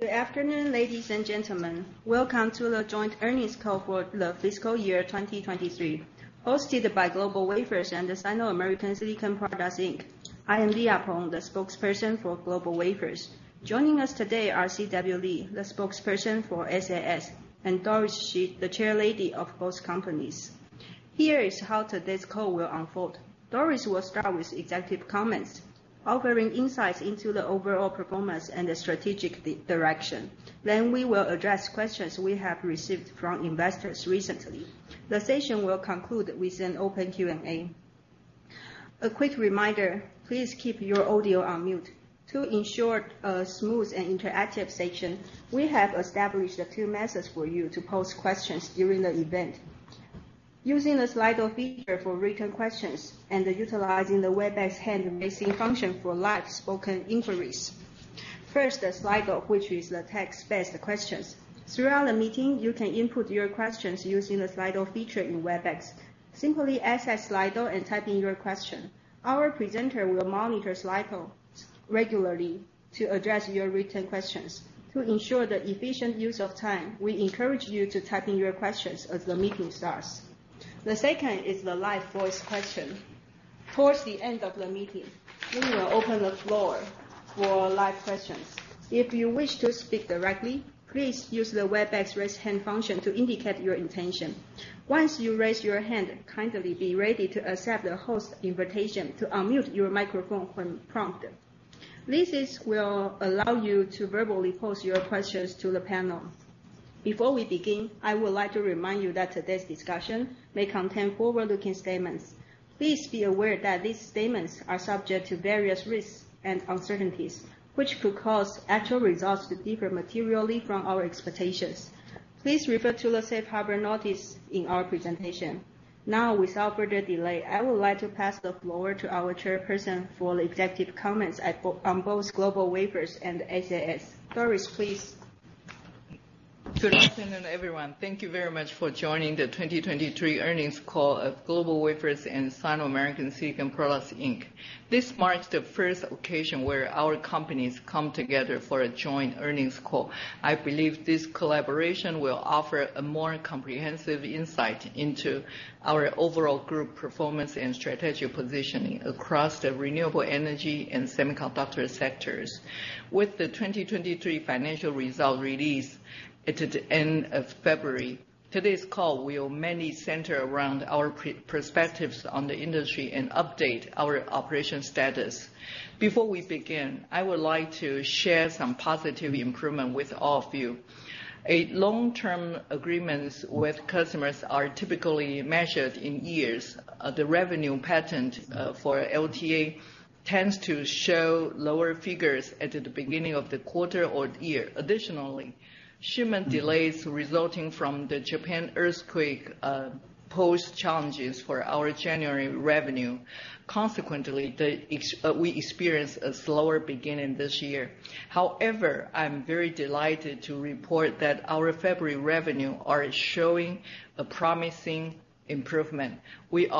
Good afternoon, ladies and gentlemen. Welcome to the joint Earnings Call for the Fiscal Year 2023, hosted by GlobalWafers and the Sino-American Silicon Products Inc. I am Leah Lo, the spokesperson for GlobalWafers. Joining us today are C.W. Lee, the spokesperson for SAS, and Doris Hsu, the chairlady of both companies. Here is how today's call will unfold. Doris will start with executive comments, offering insights into the overall performance and the strategic direction. Then we will address questions we have received from investors recently. The session will conclude with an open Q&A. A quick reminder, please keep your audio on mute. To ensure a smooth and interactive session, we have established a few methods for you to pose questions during the event. Using the Slido feature for written questions and utilizing the Webex hand-raising function for live spoken inquiries. First, the Slido, which is the text-based questions. Throughout the meeting, you can input your questions using the Slido feature in Webex. Simply access Slido and type in your question. Our presenter will monitor Slido regularly to address your written questions. To ensure the efficient use of time, we encourage you to type in your questions as the meeting starts. The second is the live voice question. Towards the end of the meeting, we will open the floor for live questions. If you wish to speak directly, please use the Webex Raise Hand function to indicate your intention. Once you raise your hand, kindly be ready to accept the host invitation to unmute your microphone when prompted. This will allow you to verbally pose your questions to the panel. Before we begin, I would like to remind you that today's discussion may contain forward-looking statements. Please be aware that these statements are subject to various risks and uncertainties, which could cause actual results to differ materially from our expectations. Please refer to the Safe Harbor notice in our presentation. Now, without further delay, I would like to pass the floor to our chairperson for the executive comments on both GlobalWafers and SAS. Doris, please. Good afternoon, everyone. Thank you very much for joining the 2023 earnings call of GlobalWafers and Sino-American Silicon Products Inc. This marks the first occasion where our companies come together for a joint earnings call. I believe this collaboration will offer a more comprehensive insight into our overall group performance and strategic positioning across the renewable energy and semiconductor sectors. With the 2023 financial result release at the end of February, today's call will mainly center around our perspectives on the industry and update our operation status. Before we begin, I would like to share some positive improvement with all of you. Our long-term agreements with customers are typically measured in years. The revenue pattern for LTA tends to show lower figures at the beginning of the quarter or year. Additionally, shipment delays resulting from the Japan earthquake posed challenges for our January revenue. Consequently, we experienced a slower beginning this year. However, I'm very delighted to report that our February revenue are showing a promising improvement. We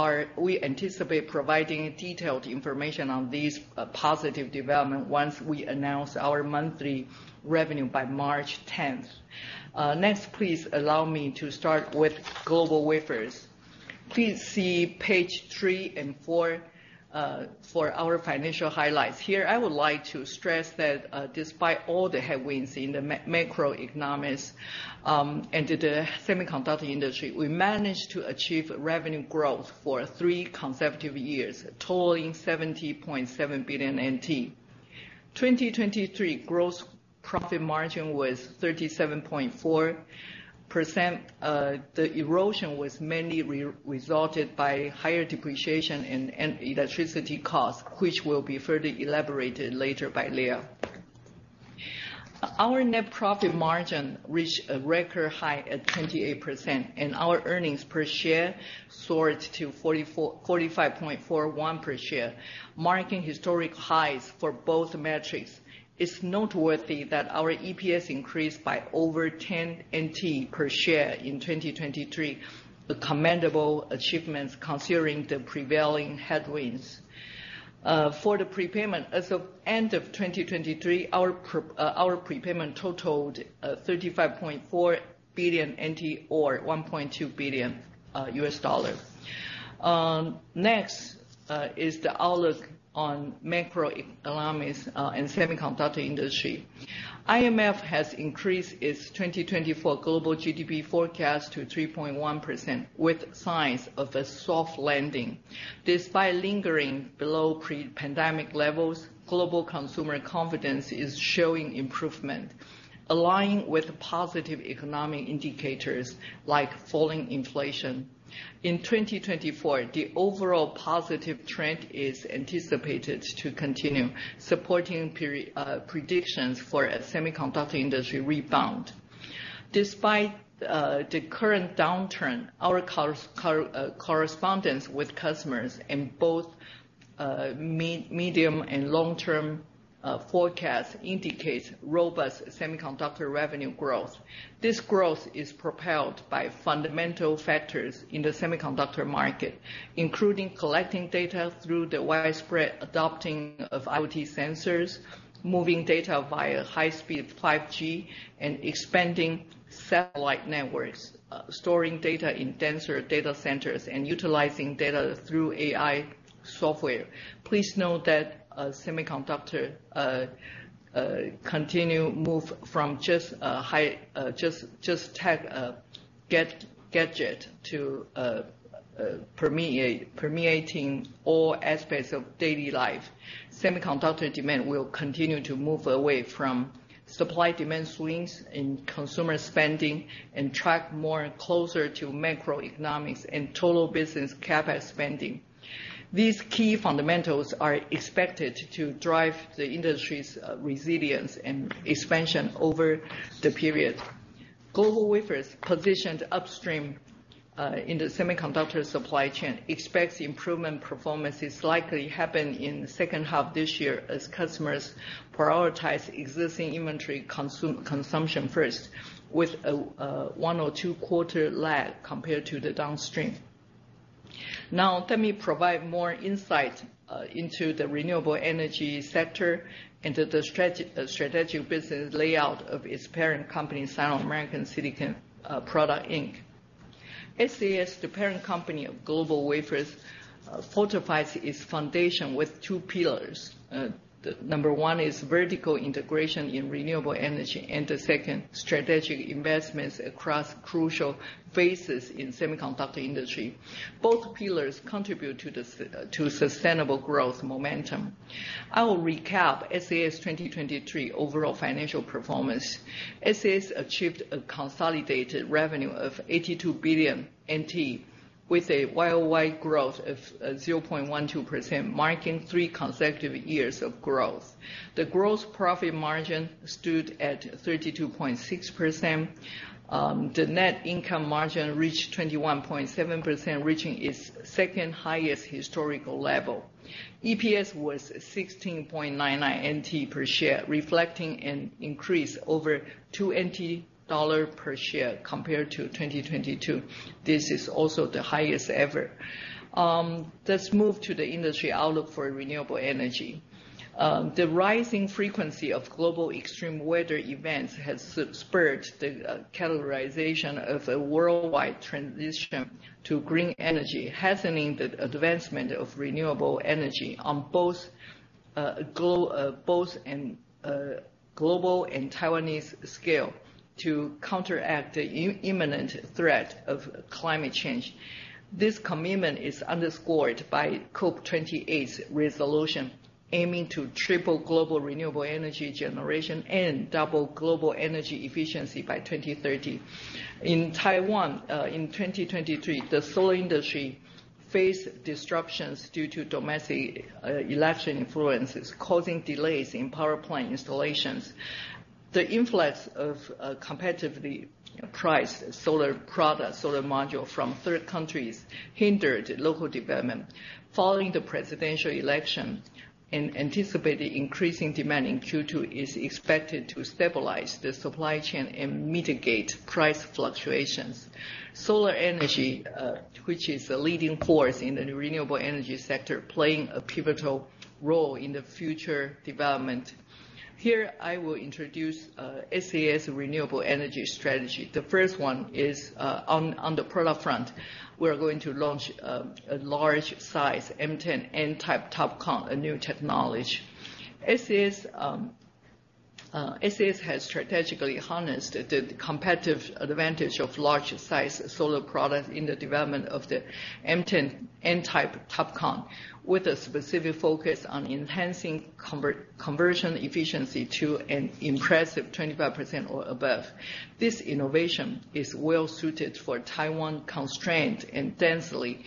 anticipate providing detailed information on these positive development once we announce our monthly revenue by March 10. Next, please allow me to start with GlobalWafers. Please see page 3 and 4 for our financial highlights. Here, I would like to stress that, despite all the headwinds in the macroeconomics and the semiconductor industry, we managed to achieve revenue growth for three consecutive years, totaling NTD 70.7 billion. 2023 gross profit margin was 37.4%. The erosion was mainly resulted by higher depreciation and electricity costs, which will be further elaborated later by Leah. Our net profit margin reached a record high at 28%, and our earnings per share soared to 45.41 per share, marking historic highs for both metrics. It's noteworthy that our EPS increased by over 10 NTD per share in 2023, a commendable achievement considering the prevailing headwinds. For the prepayment, as of end of 2023, our prepayment totaled 35.4 billion NTD or $1.2 billion. Next is the outlook on macroeconomics and semiconductor industry. IMF has increased its 2024 global GDP forecast to 3.1%, with signs of a soft landing. Despite lingering below pre-pandemic levels, global consumer confidence is showing improvement, aligning with positive economic indicators like falling inflation. In 2024, the overall positive trend is anticipated to continue, supporting peer predictions for a semiconductor industry rebound. Despite the current downturn, our correspondence with customers in both medium and long-term forecast indicates robust semiconductor revenue growth. This growth is propelled by fundamental factors in the semiconductor market, including collecting data through the widespread adopting of IoT sensors, moving data via high-speed 5G, and expanding satellite networks, storing data in denser data centers, and utilizing data through AI software. Please note that semiconductor continue to move from just high-tech gadgets to permeating all aspects of daily life. Semiconductor demand will continue to move away from supply-demand swings in consumer spending, and track more closer to macroeconomics and total business CapEx spending. These key fundamentals are expected to drive the industry's resilience and expansion over the period. GlobalWafers positioned upstream in the semiconductor supply chain, expects improvement performance is likely happen in the second half this year as customers prioritize existing inventory consumption first, with a one or two quarter lag compared to the downstream. Now, let me provide more insight into the renewable energy sector and to the strategic business layout of its parent company, Sino-American Silicon Products Inc. SAS, the parent company of GlobalWafers, fortifies its foundation with two pillars. Number one is vertical integration in renewable energy, and the second, strategic investments across crucial phases in semiconductor industry. Both pillars contribute to the sustainable growth momentum. I will recap SAS 2023 overall financial performance. SAS achieved a consolidated revenue of NTD 82 billion, with a YOY growth of 0.12%, marking three consecutive years of growth. The gross profit margin stood at 32.6%. The net income margin reached 21.7%, reaching its second-highest historical level. EPS was 16.99 NTD per share, reflecting an increase over 2 NTD per share compared to 2022. This is also the highest ever. Let's move to the industry outlook for renewable energy. The rising frequency of global extreme weather events has spurred the categorization of a worldwide transition to green energy, hastening the advancement of renewable energy on both global and Taiwanese scale to counteract the imminent threat of climate change. This commitment is underscored by COP28's resolution, aiming to triple global renewable energy generation and double global energy efficiency by 2030. In Taiwan, in 2023, the solar industry faced disruptions due to domestic election influences, causing delays in power plant installations. The influx of competitively priced solar products, solar module from third countries hindered local development. Following the presidential election, an anticipated increasing demand in Q2 is expected to stabilize the supply chain and mitigate price fluctuations. Solar energy, which is a leading force in the renewable energy sector, playing a pivotal role in the future development. Here, I will introduce SAS' renewable energy strategy. The first one is on the product front. We're going to launch a large size M10 N-type TOPCon, a new technology. SAS has strategically harnessed the competitive advantage of large size solar products in the development of the M10 N-type TOPCon, with a specific focus on enhancing conversion efficiency to an impressive 25% or above. This innovation is well suited for Taiwan constraint and densely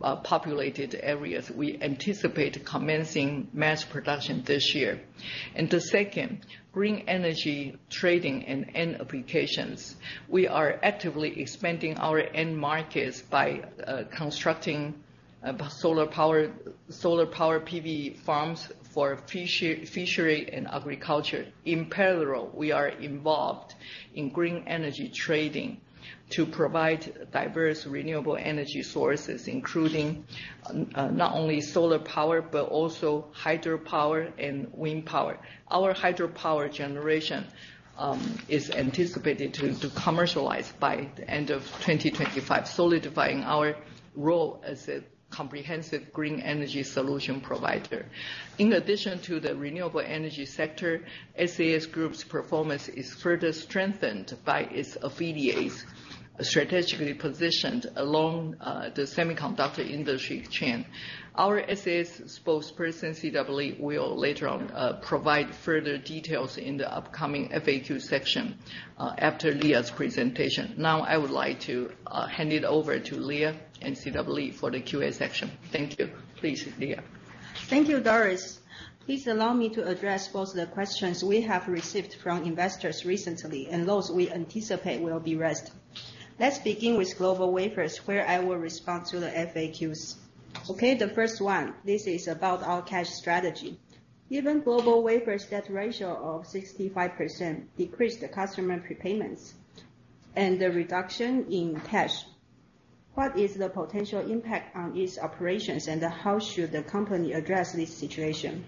populated areas. We anticipate commencing mass production this year. And the second, green energy trading and end applications. We are actively expanding our end markets by constructing solar power, solar power PV farms for fishery and agriculture. In parallel, we are involved in green energy trading to provide diverse renewable energy sources, including not only solar power, but also hydropower and wind power. Our hydropower generation is anticipated to commercialize by the end of 2025, solidifying our role as a comprehensive green energy solution provider. In addition to the renewable energy sector, SAS Group's performance is further strengthened by its affiliates, strategically positioned along the semiconductor industry chain. Our SAS spokesperson, C.W., will later on provide further details in the upcoming FAQ section after Leah's presentation. Now, I would like to hand it over to Leah and C.W. for the QA section. Thank you. Please, Leah. Thank you, Doris. Please allow me to address both the questions we have received from investors recently and those we anticipate will be raised.... Let's begin with GlobalWafers, where I will respond to the FAQs. Okay, the first one, this is about our cash strategy. Given GlobalWafers' debt ratio of 65%, decreased the customer prepayments and the reduction in cash, what is the potential impact on its operations, and, how should the company address this situation?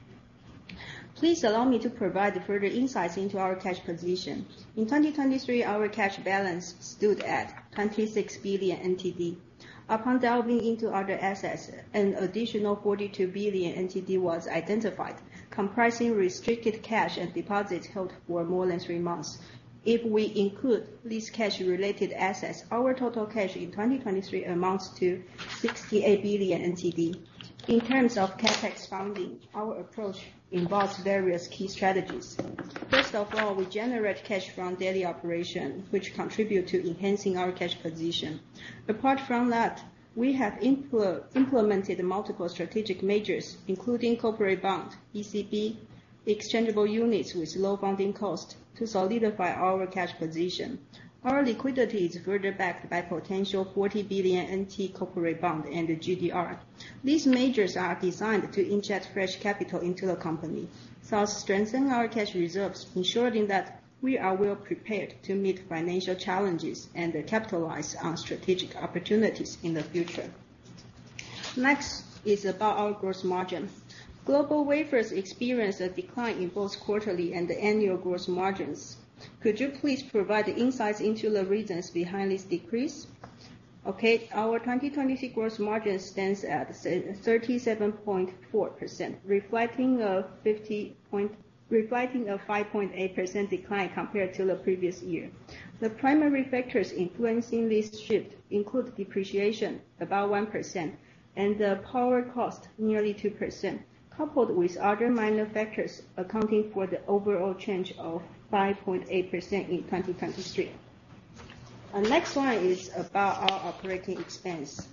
Please allow me to provide further insights into our cash position. In 2023, our cash balance stood at NTD 26 billion. Upon delving into other assets, an additional NTD 42 billion was identified, comprising restricted cash and deposits held for more than three months. If we include these cash-related assets, our total cash in 2023 amounts to NTD 68 billion. In terms of CapEx funding, our approach involves various key strategies. First of all, we generate cash from daily operation, which contribute to enhancing our cash position. Apart from that, we have implemented multiple strategic measures, including corporate bond, ECB, exchangeable units with low funding cost to solidify our cash position. Our liquidity is further backed by potential NTD 40 billion corporate bond and GDR. These measures are designed to inject fresh capital into the company, thus strengthening our cash reserves, ensuring that we are well-prepared to meet financial challenges and capitalize on strategic opportunities in the future. Next is about our gross margin. GlobalWafers experienced a decline in both quarterly and annual gross margins. Could you please provide insights into the reasons behind this decrease? Okay, our 2023 gross margin stands at thirty-seven point four percent, reflecting a five point eight percent decline compared to the previous year. The primary factors influencing this shift include depreciation, about one percent, and the power cost, nearly two percent, coupled with other minor factors accounting for the overall change of five point eight percent in 2023. Our next one is about our operating expense.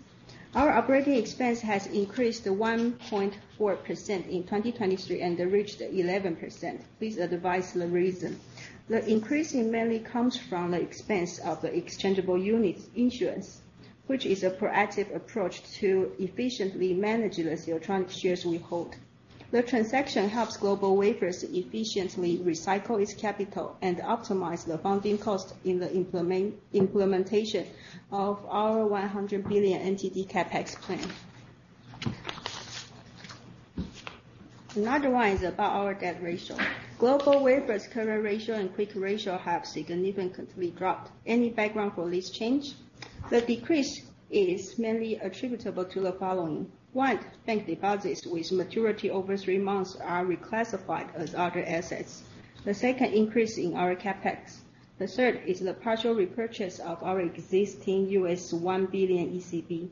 Our operating expense has increased to one point four percent in 2023, and it reached eleven percent. Please advise the reason. The increase mainly comes from the expense of the exchangeable units issuance, which is a proactive approach to efficiently manage the Siltronic shares we hold. The transaction helps GlobalWafers efficiently recycle its capital and optimize the funding cost in the implementation of our one hundred billion NTD CapEx plan. Another one is about our debt ratio. GlobalWafers' current ratio and quick ratio have significantly dropped. Any background for this change? The decrease is mainly attributable to the following. One, bank deposits with maturity over 3 months are reclassified as other assets. The second increase in our CapEx. The third is the partial repurchase of our existing $1 billion ECB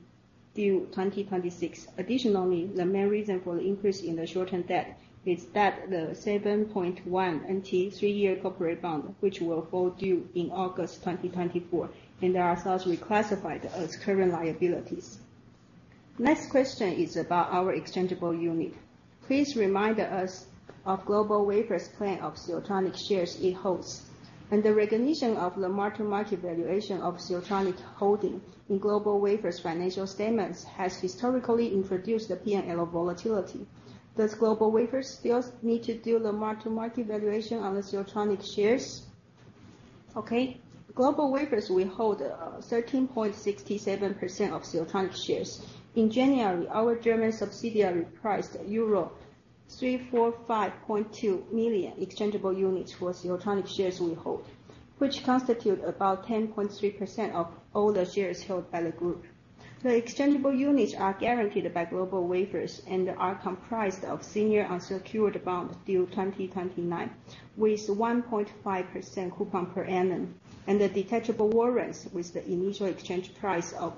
due 2026. Additionally, the main reason for the increase in the short-term debt is that the 7.1 NTD 3-year corporate bond, which will fall due in August 2024, and are thus reclassified as current liabilities. Next question is about our exchangeable unit. Please remind us of GlobalWafers' plan of Siltronic shares it holds, and the recognition of the mark-to-market valuation of Siltronic holding in GlobalWafers' financial statements has historically introduced the P&L volatility. Does GlobalWafers still need to do the mark-to-market valuation on the Siltronic shares? Okay, GlobalWafers will hold 13.67% of Siltronic shares. In January, our German subsidiary priced euro 345.2 million exchangeable units for Siltronic shares we hold, which constitute about 10.3% of all the shares held by the group. The exchangeable units are guaranteed by GlobalWafers and are comprised of senior unsecured bonds due 2029, with 1.5% coupon per annum, and the detachable warrants with the initial exchange price of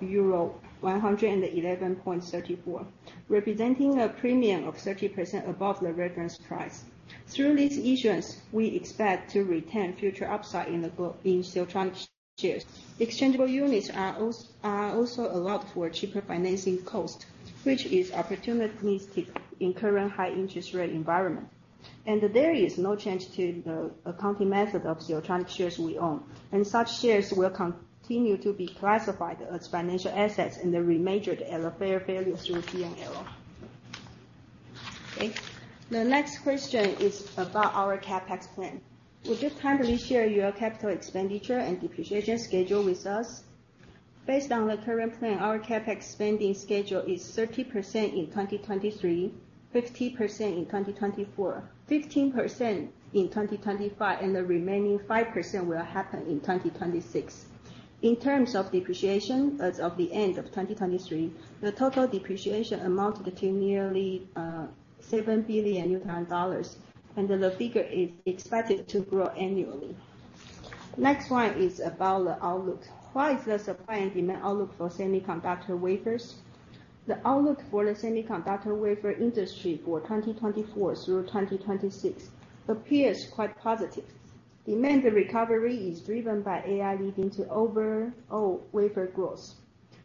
euro 111.34, representing a premium of 30% above the reference price. Through these issuance, we expect to retain future upside in the in Siltronic shares. Exchangeable units are are also allowed for cheaper financing cost, which is opportunistic in current high interest rate environment. There is no change to the accounting method of Siltronic shares we own, and such shares will continue to be classified as financial assets and remeasured at the fair value through P&L. Okay. The next question is about our CapEx plan. Would you kindly share your capital expenditure and depreciation schedule with us? Based on the current plan, our CapEx spending schedule is 30% in 2023, 50% in 2024, 15% in 2025, and the remaining 5% will happen in 2026. In terms of depreciation, as of the end of 2023, the total depreciation amounted to nearly NTD 7 billion, and the figure is expected to grow annually. Next one is about the outlook. What is the supply and demand outlook for semiconductor wafers? The outlook for the semiconductor wafer industry for 2024 through 2026 appears quite positive. Demand recovery is driven by AI, leading to overall wafer growth.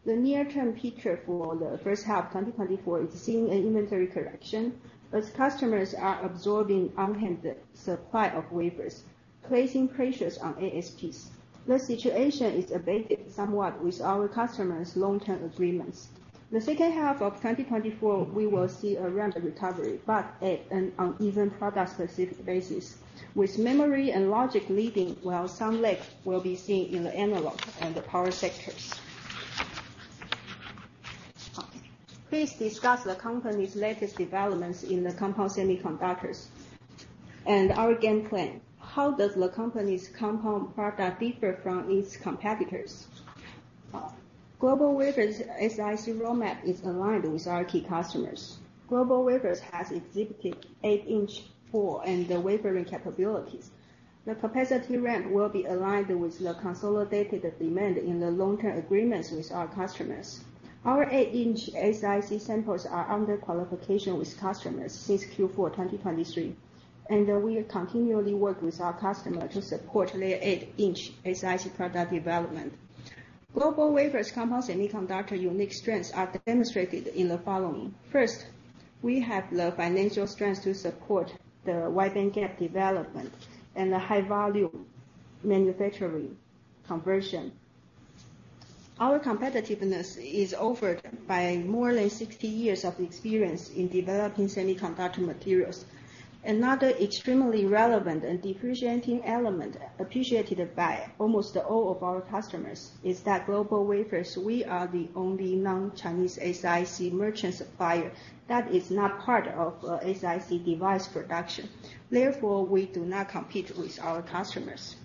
The near-term picture for the first half 2024 is seeing an inventory correction, as customers are absorbing on-hand supply of wafers, placing pressures on ASPs. The situation is abated somewhat with our customers' long-term agreements. The second half of 2024, we will see a random recovery, but at an uneven product-specific basis, with memory and logic leading, while some lag will be seen in the analog and the power sectors. Please discuss the company's latest developments in the compound semiconductors and our game plan. How does the company's compound product differ from its competitors? GlobalWafers' SiC roadmap is aligned with our key customers. GlobalWafers has exhibited 8-inch full end wafering capabilities. The capacity ramp will be aligned with the consolidated demand in the long-term agreements with our customers. Our 8-inch SiC samples are under qualification with customers since Q4 2023, and we continually work with our customer to support their 8-inch SiC product development. GlobalWafers compound semiconductor unique strengths are demonstrated in the following: First, we have the financial strength to support the wide bandgap development and the high-volume manufacturing conversion. Our competitiveness is offered by more than 60 years of experience in developing semiconductor materials. Another extremely relevant and differentiating element appreciated by almost all of our customers is that GlobalWafers, we are the only non-Chinese SiC merchant supplier that is not part of SiC device production, therefore, we do not compete with our customers.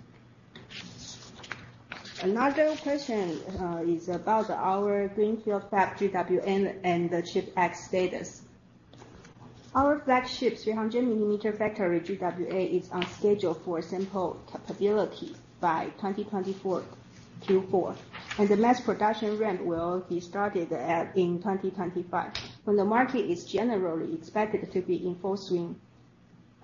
Another question is about our Greenfield fab, GWA, and the CHIPS Act status. Our flagship 300-millimeter factory, GWA, is on schedule for sample capability by 2024 Q4, and the mass production ramp will be started at, in 2025, when the market is generally expected to be in full swing.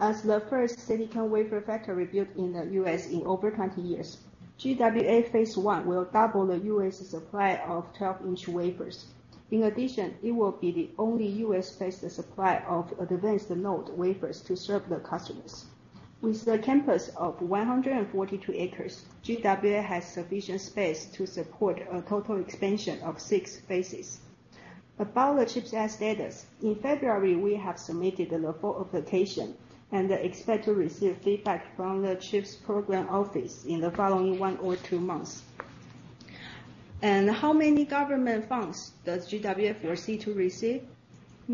As the first silicon wafer factory built in the U.S. in over 20 years, GWA phase 1 will double the U.S. supply of 12-inch wafers. In addition, it will be the only U.S.-based supply of advanced node wafers to serve the customers. With the campus of 142 acres, GWA has sufficient space to support a total expansion of 6 phases. About the CHIPS Act status, in February, we have submitted the full application and expect to receive feedback from the CHIPS Program Office in the following one or two months. How many government funds does GWA foresee to receive?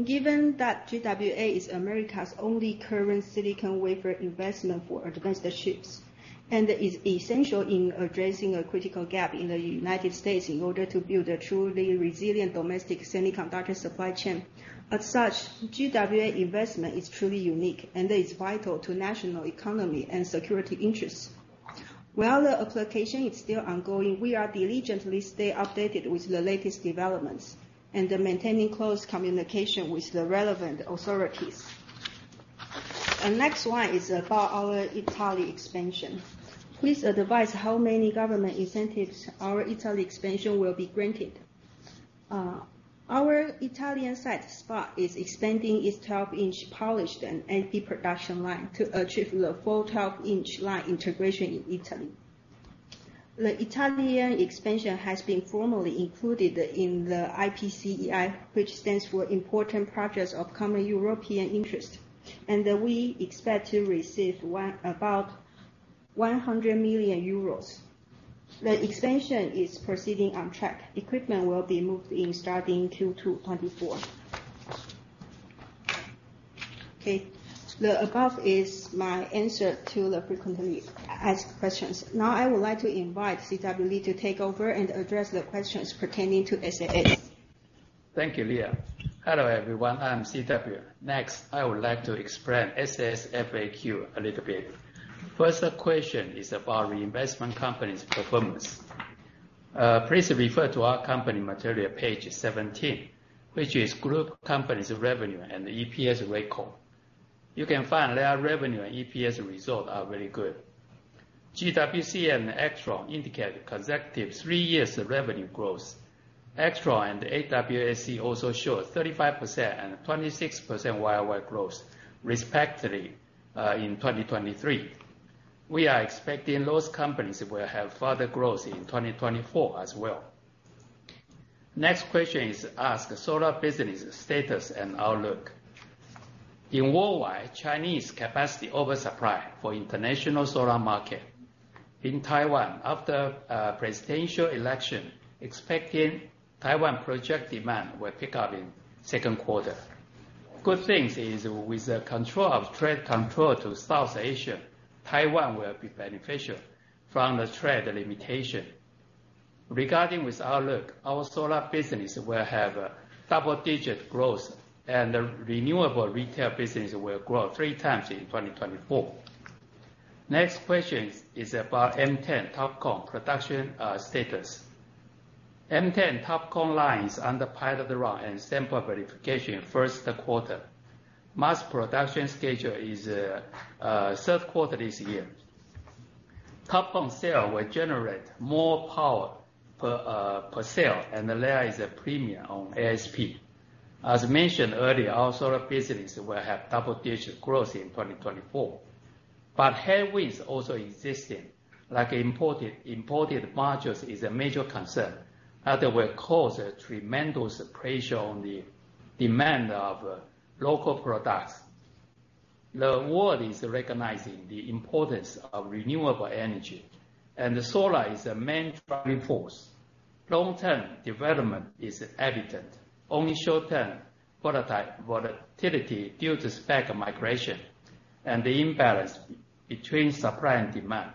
Given that GWA is America's only current silicon wafer investment for advanced chips, and is essential in addressing a critical gap in the United States in order to build a truly resilient domestic semiconductor supply chain. As such, GWA investment is truly unique and is vital to national economy and security interests. While the application is still ongoing, we are diligently stay updated with the latest developments and maintaining close communication with the relevant authorities. The next one is about our Italy expansion. Please advise how many government incentives our Italy expansion will be granted. Our Italian site, MEMC S.p.A., is expanding its 12-inch polished and epi production line to achieve the full 12-inch line integration in Italy. The Italian expansion has been formally included in the IPCEI, which stands for Important Project of Common European Interest, and we expect to receive about 100 million euros. The expansion is proceeding on track. Equipment will be moved in starting Q2 2024. Okay, the above is my answer to the frequently asked questions. Now, I would like to invite C.W. Lee to take over and address the questions pertaining to SAS. Thank you, Leah. Hello, everyone, I'm C.W. Next, I would like to explain SAS FAQ a little bit. First question is about reinvestment company's performance. Please refer to our company material, page 17, which is group company's revenue and EPS record. You can find their revenue and EPS result are very good. GWC and Actron indicate consecutive three years of revenue growth. Actron and AWSC also showed 35% and 26% year-over-year growth, respectively, in 2023. We are expecting those companies will have further growth in 2024 as well. Next question is ask solar business status and outlook. In worldwide, Chinese capacity oversupply for international solar market. In Taiwan, after presidential election, expecting Taiwan project demand will pick up in second quarter. Good things is, with the control of trade control to South Asia, Taiwan will be beneficial from the trade limitation. Regarding the outlook, our solar business will have a double-digit growth, and the renewable retail business will grow three times in 2024. Next question is about M10 TOPCon production status. M10 TOPCon lines under pilot run and sample verification first quarter. Mass production schedule is third quarter this year. TOPCon cell will generate more power per cell, and there is a premium on ASP. As mentioned earlier, our solar business will have double-digit growth in 2024. But headwinds also existing, like imported modules is a major concern, that will cause a tremendous pressure on the demand of local products. The world is recognizing the importance of renewable energy, and solar is a main driving force. Long-term development is evident. Only short-term volatility due to spec migration and the imbalance between supply and demand,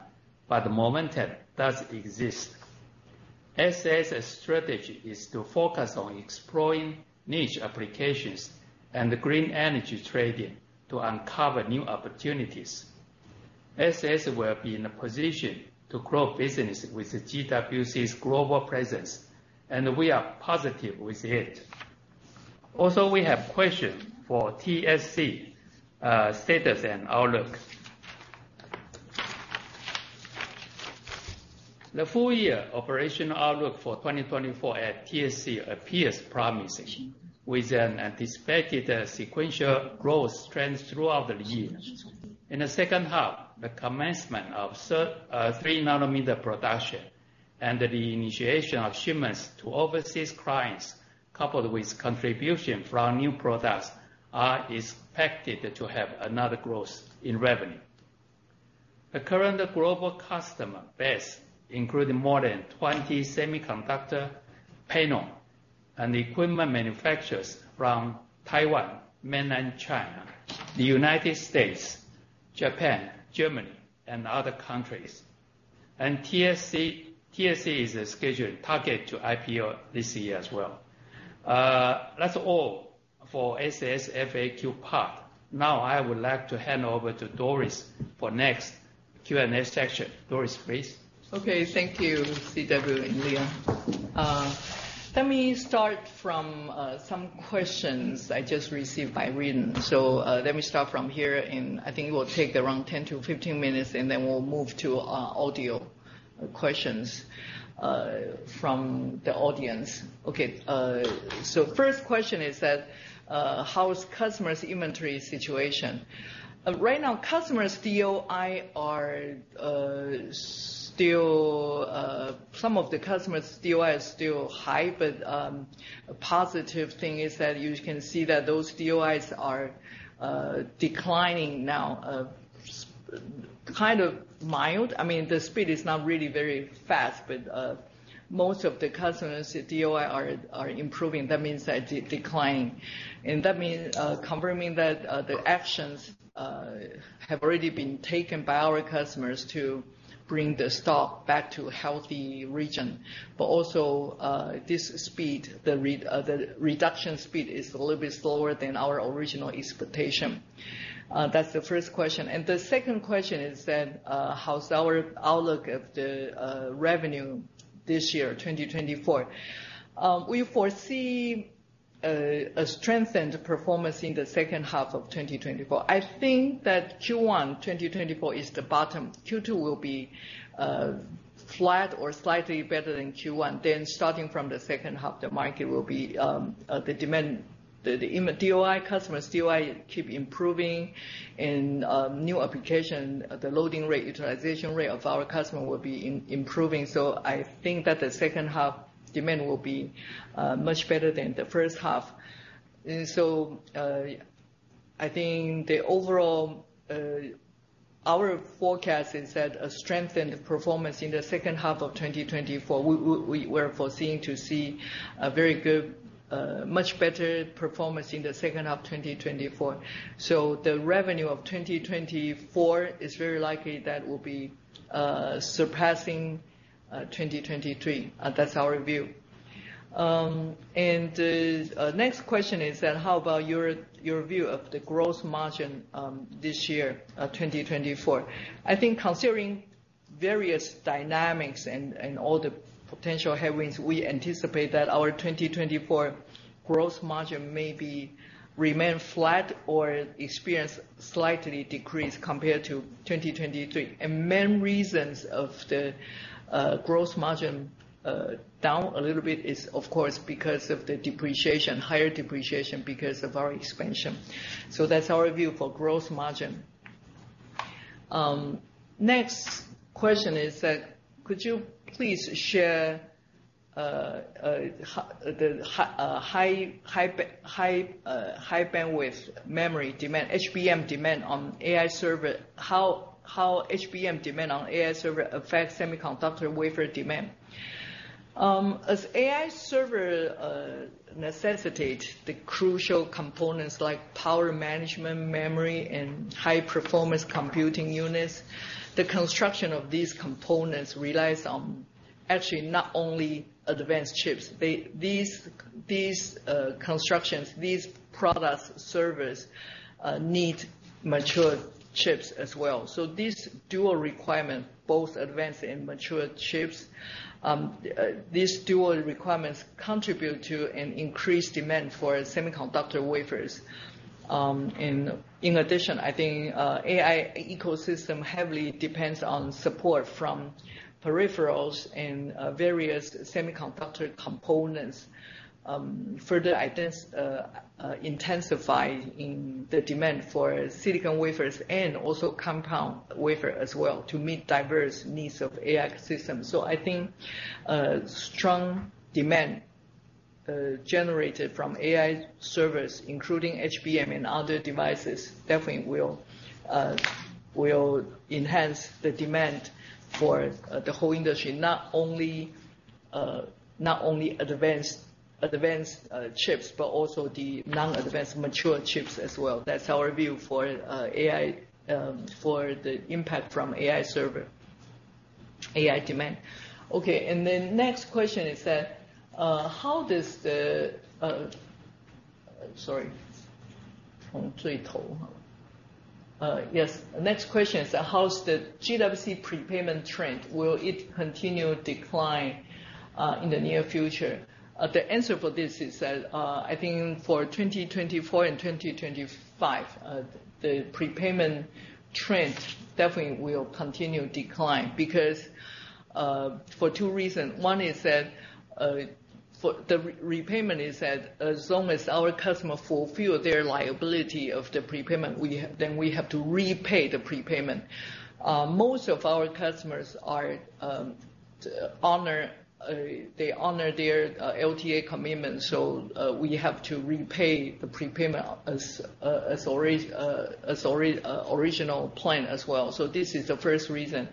but the momentum does exist. SAS strategy is to focus on exploring niche applications and the green energy trading to uncover new opportunities. SAS will be in a position to grow business with GWC's global presence, and we are positive with it. Also, we have question for TSC, status and outlook. The full year operational outlook for 2024 at TSC appears promising, with an anticipated sequential growth trend throughout the year. In the second half, the commencement of 3 nanometer production and the initiation of shipments to overseas clients, coupled with contribution from new products, are expected to have another growth in revenue. The current global customer base, including more than 20 semiconductor panel and equipment manufacturers from Taiwan, Mainland China, the United States, Japan, Germany, and other countries. And TSC, TSC is a scheduled target to IPO this year as well. That's all for SAS FAQ part. Now, I would like to hand over to Doris for next Q&A section. Doris, please. Okay, thank you, C.W. and Leah. Let me start from some questions I just received by written. So, let me start from here, and I think it will take around 10 to 15 minutes, and then we'll move to audio questions from the audience. Okay, so first question is that: How is customers' inventory situation? Right now, customers' DOI are still some of the customers' DOI is still high, but a positive thing is that you can see that those DOIs are declining now, kind of mild. I mean, the speed is not really very fast, but most of the customers' DOI are improving. That means that they're declining. That means confirming that the actions have already been taken by our customers to bring the stock back to a healthy region. But also, this speed, the reduction speed is a little bit slower than our original expectation. That's the first question. And the second question is that, how's our outlook of the revenue this year, 2024? We foresee a strengthened performance in the second half of 2024. I think that Q1 2024 is the bottom. Q2 will be flat or slightly better than Q1. Then starting from the second half, the market will be the demand, the DOI, customers' DOI keep improving, and new application, the loading rate, utilization rate of our customer will be improving. So I think that the second half demand will be much better than the first half. And so I think the overall. Our forecast is that a strengthened performance in the second half of 2024. We're foreseeing to see a very good much better performance in the second half of 2024. So the revenue of 2024 is very likely that will be surpassing 2023. That's our view. Next question is that: How about your view of the gross margin this year 2024? I think considering various dynamics and all the potential headwinds, we anticipate that our 2024 gross margin may be remain flat or experience slightly decreased compared to 2023. Main reasons of the gross margin down a little bit is, of course, because of the depreciation, higher depreciation, because of our expansion. So that's our view for gross margin. Next question is that: Could you please share the High Bandwidth Memory demand, HBM demand on AI server—how HBM demand on AI server affects semiconductor wafer demand? As AI server necessitate the crucial components like power management, memory, and high-performance computing units, the construction of these components relies on actually not only advanced chips. These constructions, these products, service need mature chips as well. So these dual requirement, both advanced and mature chips, these dual requirements contribute to an increased demand for semiconductor wafers. And in addition, I think, AI ecosystem heavily depends on support from peripherals and, various semiconductor components, further intensifying the demand for silicon wafers and also compound wafer as well to meet diverse needs of AI systems. So I think, strong demand generated from AI servers, including HBM and other devices, definitely will enhance the demand for the whole industry. Not only advanced chips, but also the non-advanced mature chips as well. That's our view for AI, for the impact from AI server, AI demand. Okay, and then next question is that, how does the... Sorry...., yes. Next question is that: How's the GWC prepayment trend? Will it continue to decline in the near future? The answer for this is that, I think for 2024 and 2025, the prepayment trend definitely will continue to decline because, for two reasons. One is that, for the repayment is that as long as our customer fulfill their liability of the prepayment, we have... Then we have to repay the prepayment. Most of our customers are honor, they honor their LTA commitment, so, we have to repay the prepayment as original plan as well. So this is the first reason.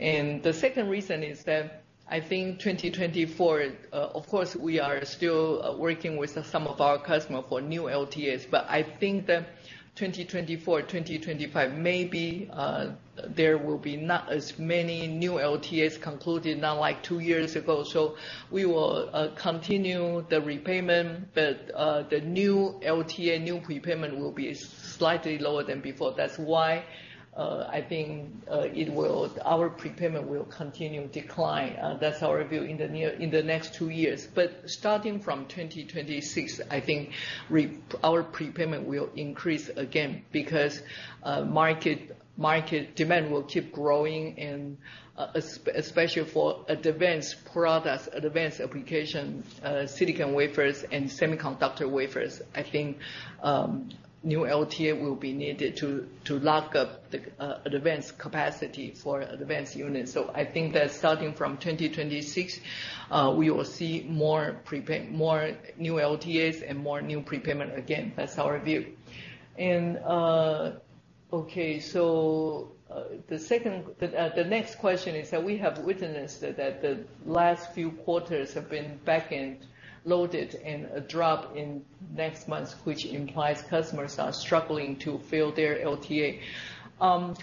And the second reason is that I think 2024, of course, we are still working with some of our customer for new LTAs, but I think that 2024, 2025, maybe, there will be not as many new LTAs concluded, not like two years ago. So we will continue the repayment, but the new LTA, new prepayment will be slightly lower than before. That's why I think our prepayment will continue to decline. That's our view in the next two years. But starting from 2026, I think our prepayment will increase again because market demand will keep growing, and especially for advanced products, advanced applications, silicon wafers, and semiconductor wafers. I think new LTA will be needed to lock up the advanced capacity for advanced units. So I think that starting from 2026, we will see more new LTAs and more new prepayment again. That's our view. Okay, so the next question is that we have witnessed that the last few quarters have been back-end loaded, and a drop in next month, which implies customers are struggling to fill their LTA.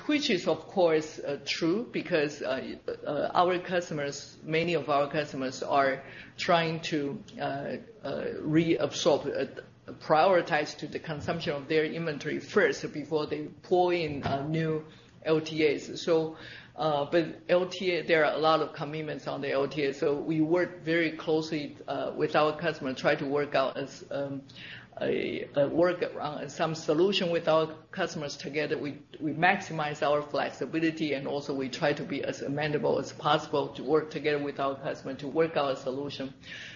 Which is of course true, because our customers, many of our customers are trying to reabsorb, prioritize to the consumption of their inventory first before they pull in new LTAs. So, but LTA, there are a lot of commitments on the LTA, so we work very closely with our customers, try to work out some solution with our customers together. We maximize our flexibility, and also we try to be as amenable as possible to work together with our customer to work out a solution.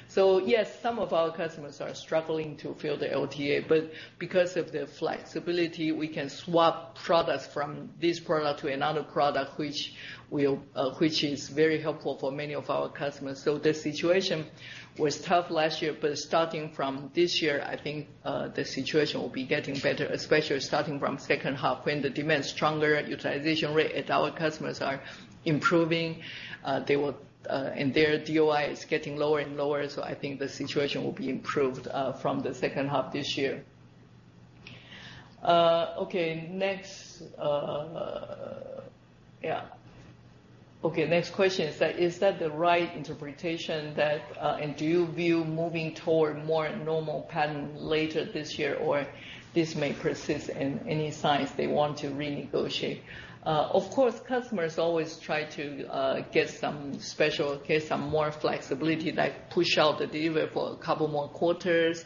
So yes, some of our customers are struggling to fill the LTA, but because of the flexibility, we can swap products from this product to another product, which will, which is very helpful for many of our customers. So the situation was tough last year, but starting from this year, I think, the situation will be getting better, especially starting from second half, when the demand is stronger, utilization rate at our customers are improving, they will, and their DOI is getting lower and lower, so I think the situation will be improved, from the second half this year. Okay, next, Yeah. Okay, next question is that, is that the right interpretation that, and do you view moving toward more normal pattern later this year, or this may persist in any signs they want to renegotiate? Of course, customers always try to get some special case, some more flexibility, like push out the delivery for a couple more quarters,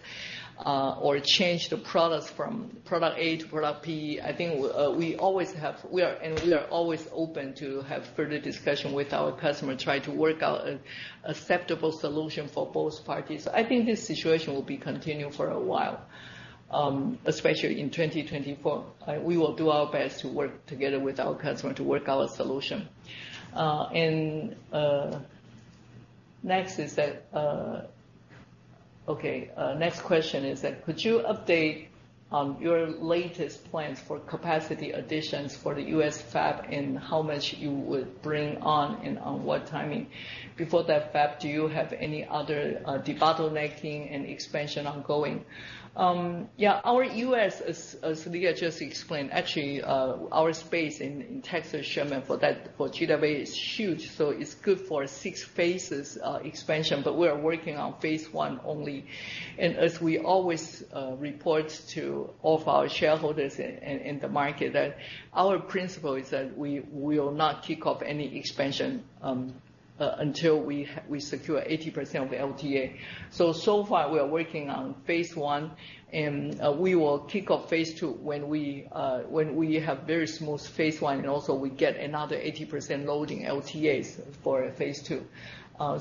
or change the products from product A to product B. I think, we always have—We are, and we are always open to have further discussion with our customers, try to work out an acceptable solution for both parties. I think this situation will be continuing for a while, especially in 2024. We will do our best to work together with our customer to work out a solution. Next is that, okay, next question is that: could you update your latest plans for capacity additions for the U.S. fab, and how much you would bring on, and on what timing? Before that fab, do you have any other debottlenecking and expansion ongoing? Yeah, our U.S., as Leah just explained, actually, our space in Sherman, Texas, for GW, is huge, so it's good for six phases expansion, but we are working on phase one only. And as we always report to all of our shareholders in the market, that our principle is that we will not kick off any expansion until we secure 80% of the LTA. So far, we are working on phase one, and we will kick off phase two when we have very smooth phase one, and also we get another 80% loading LTAs for phase two.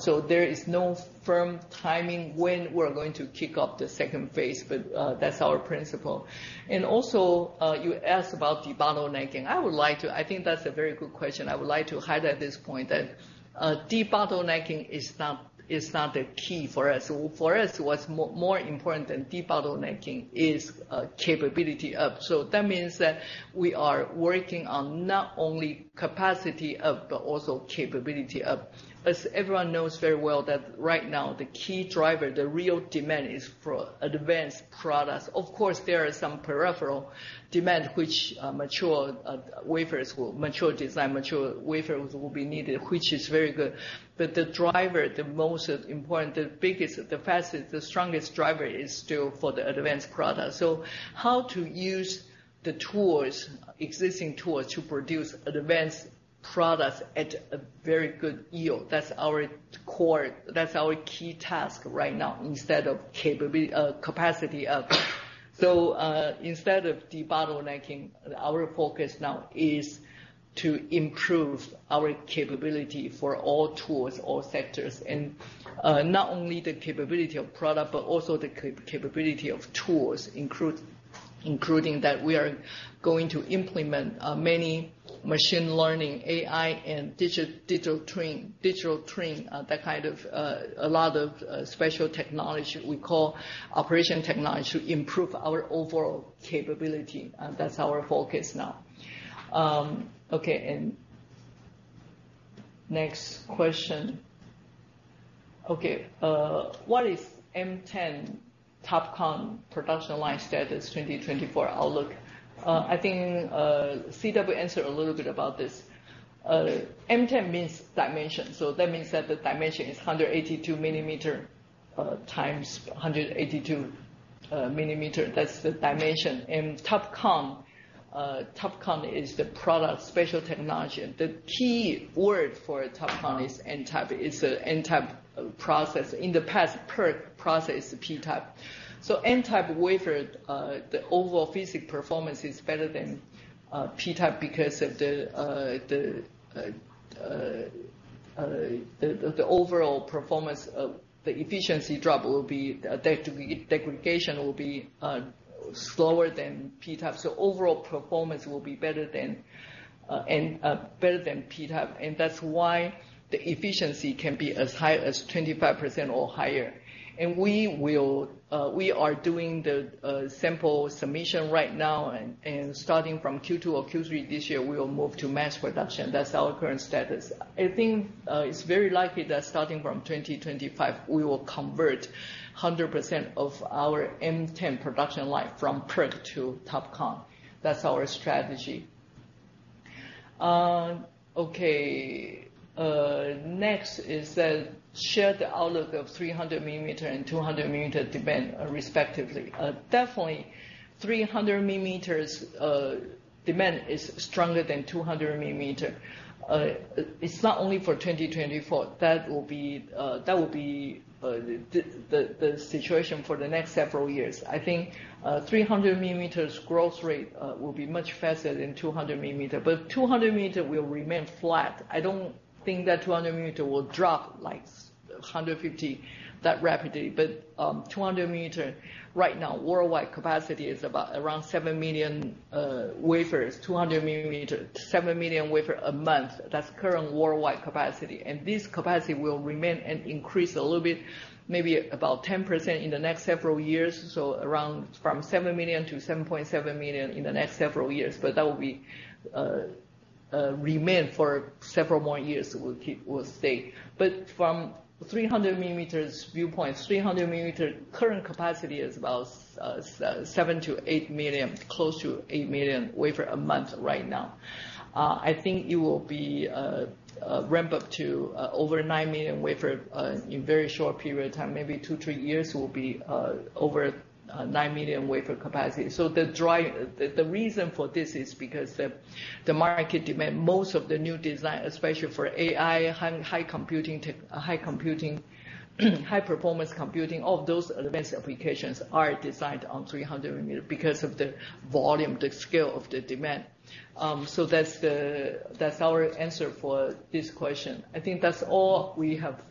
So there is no firm timing when we're going to kick off the second phase, but that's our principle. And also you asked about debottlenecking. I would like to. I think that's a very good question. I would like to highlight at this point that debottlenecking is not, is not the key for us. So for us, what's more important than debottlenecking is capability up. So that means that we are working on not only capacity up, but also capability up. As everyone knows very well, that right now, the key driver, the real demand, is for advanced products. Of course, there is some peripheral demand which mature design, mature wafers will be needed, which is very good. But the driver, the most important, the biggest, the fastest, the strongest driver, is still for the advanced products. So how to use the tools, existing tools, to produce advanced products at a very good yield, that's our core, that's our key task right now, instead of capacity up. So, instead of debottlenecking, our focus now is to improve our capability for all tools, all sectors, and not only the capability of product, but also the capability of tools, including that we are going to implement many machine learning, AI, and digital twin, digital twin, that kind of a lot of special technology we call Operational Technology, to improve our overall capability. That's our focus now. Okay, and next question. Okay, what is M10 TOPCon production line status 2024 outlook? I think C.W. answered a little bit about this. M10 means dimension, so that means that the dimension is 182 mm times 182 mm. That's the dimension. And TOPCon, TOPCon is the product special technology. The key word for TOPCon is N-type. It's a N-type process. In the past, PERC process, P-type. So N-type wafer, the overall physical performance is better than P-type because of the the the overall performance of the efficiency drop will be there to be degradation will be slower than P-type. So overall performance will be better than P-type, and that's why the efficiency can be as high as 25% or higher. And we are doing the sample submission right now, and starting from Q2 or Q3 this year, we will move to mass production. That's our current status. I think it's very likely that starting from 2025, we will convert 100% of our M10 production line from PERC to TOPCon. That's our strategy. Okay, next is that, share the outlook of 300mm and 200mm demand, respectively. Definitely, 300mm demand is stronger than 200mm. It's not only for 2024, that will be the situation for the next several years. I think 300mm growth rate will be much faster than 200mm, but 200mm will remain flat. I don't think that 200mm will drop like 150, that rapidly. But, 200-millimeter, right now, worldwide capacity is about around 7 million wafers, 200-millimeter, 7 million wafer a month. That's current worldwide capacity, and this capacity will remain and increase a little bit, maybe about 10% in the next several years, so around from 7 million to 7.7 million in the next several years. But that will be remain for several more years, it will keep, will stay. But from 300-millimeter viewpoint, 300-millimeter current capacity is about seven to eight million, close to eight million wafer a month right now. I think it will be ramp up to over 9 million wafer in very short peer of time. Maybe 2, 3 years, it will be over 9 million wafer capacity. So the drive... The reason for this is because the market demand, most of the new design, especially for AI, high computing tech, high computing, high performance computing, all of those advanced applications are designed on 300 millimeter because of the volume, the scale of the demand. So that's our answer for this question. I think that's all we have.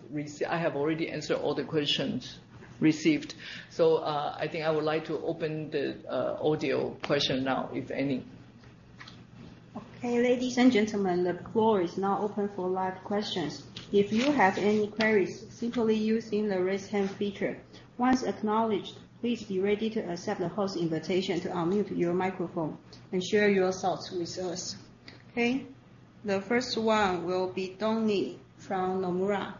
I have already answered all the questions received. So I think I would like to open the audio question now, if any. Hey, ladies and gentlemen, the floor is now open for live questions. If you have any queries, simply use the Raise Hand feature. Once acknowledged, please be ready to accept the host invitation to unmute your microphone and share your thoughts with us. Okay, the first one will be Donnie from Nomura.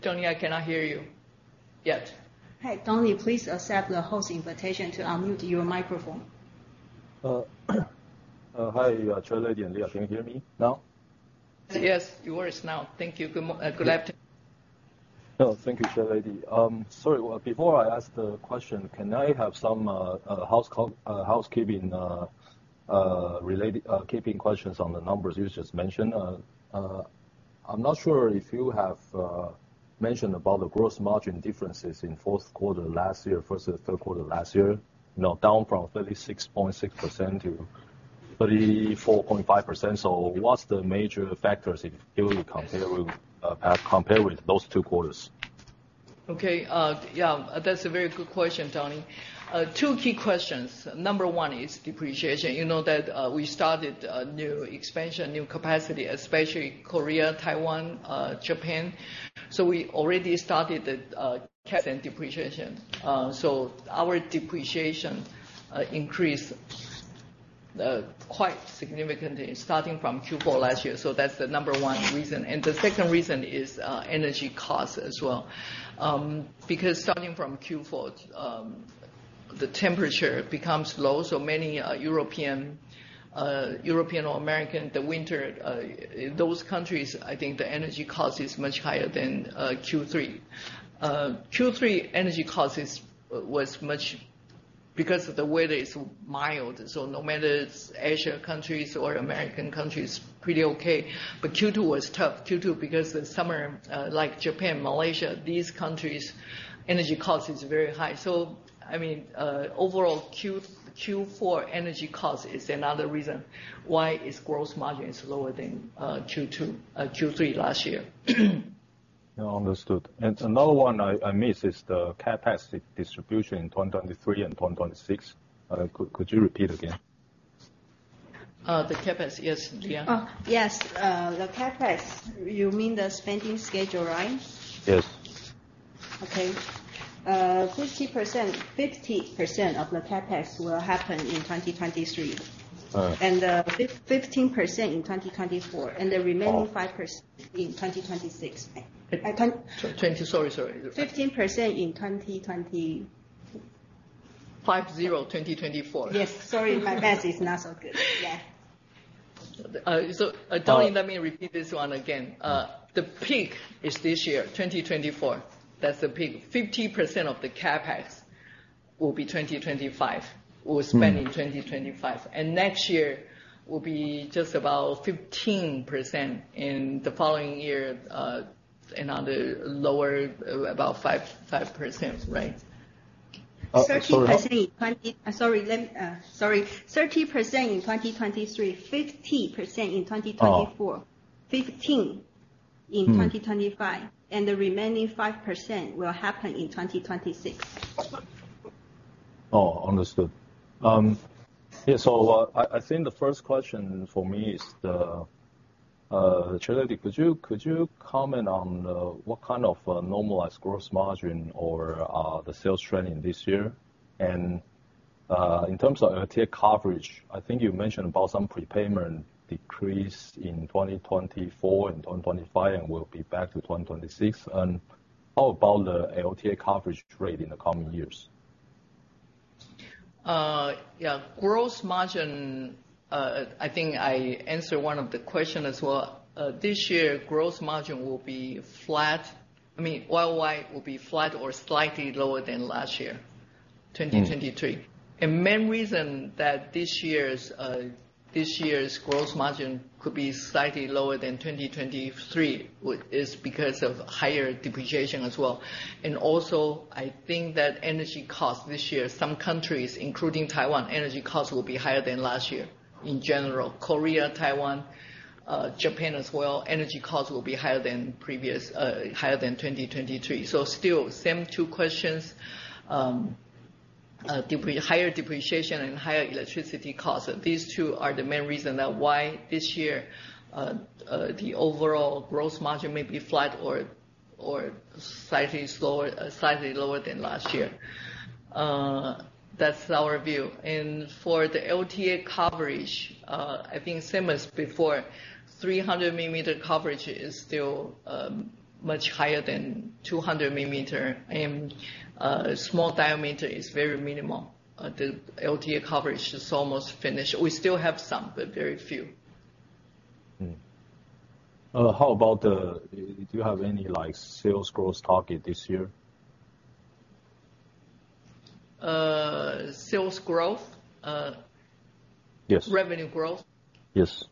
Donnie, I cannot hear you yet. Hey, Donnie, please accept the host invitation to unmute your microphone. Hi, Chairlady and Leah. Can you hear me now? Yes, yours now. Thank you. Good afternoon. Oh, thank you, chair lady. Sorry, well, before I ask the question, can I have some housekeeping-related questions on the numbers you just mentioned? I'm not sure if you have mentioned about the gross margin differences in fourth quarter last year versus the third quarter last year. You know, down from 36.6% to 34.5%. So what's the major factors if you compare with those two quarters? Okay, yeah, that's a very good question, Donnie. Two key questions. Number one is depreciation. You know, that we started a new expansion, new capacity, especially Korea, Taiwan, Japan. So we already started the CapEx and depreciation. So our depreciation increased quite significantly starting from Q4 last year. So that's the number one reason. And the second reason is energy costs as well. Because starting from Q4, the temperature becomes low, so many European or American, the winter, those countries, I think the energy cost is much higher than Q3. Q3 energy costs was much... Because the weather is mild, so no matter it's Asia countries or American countries, pretty okay. But Q2 was tough. Q2, because the summer, like Japan, Malaysia, these countries, energy cost is very high. So, I mean, overall, Q4 energy cost is another reason why its gross margin is lower than Q2, Q3 last year. Yeah. Understood. And another one I miss is the CapEx distribution in 2023 and 2026. Could you repeat again? The CapEx? Yes, Leah. Oh, yes. The CapEx. You mean the spending schedule, right? Yes. Okay. 50%, 50% of the CapEx will happen in 2023. 15% in 2024, and the remaining- Oh... 5% in 2026. 20, sorry, sorry. 15% in 2020... 5, 0, 2024. Yes, sorry, my math is not so good. Yeah. So, Donnie, let me repeat this one again. The peak is this year, 2024. That's the peak. 50% of the CapEx will be 2025. We'll spend in 2025, and next year will be just about 15%, and the following year, another lower, about 5-5%, right? Uh, sorry- Sorry, let me, sorry. 30% in 2023, 15% in 2024. Oh. 15 in 2025 and the remaining 5% will happen in 2026. Oh, understood. Yeah, so, I think the first question for me is the chair lady, could you comment on what kind of normalized gross margin or the sales trend in this year? And, in terms of LTA coverage, I think you mentioned about some prepayment decrease in 2024 and 2025, and we'll be back to 2026. And how about the LTA coverage rate in the coming years? Yeah, gross margin, I think I answered one of the question as well. This year, gross margin will be flat. I mean, worldwide will be flat or slightly lower than last year-... 2023. The main reason that this year's, this year's gross margin could be slightly lower than 2023 is because of higher depreciation as well. And also, I think that energy cost this year, some countries, including Taiwan, energy costs will be higher than last year. In general, Korea, Taiwan, Japan as well, energy costs will be higher than previous, higher than 2023. So still, same two questions: Higher depreciation and higher electricity costs. These two are the main reason that why this year, the overall gross margin may be flat or slightly slower, slightly lower than last year. That's our view. And for the LTA coverage, I think same as before, 300 millimeter coverage is still, much higher than 200 millimeter, and, small diameter is very minimal. The LTA coverage is almost finished. We still have some, but very few. How about the... Do you have any like, sales growth target this year? Sales growth? Yes. Revenue growth? Yes.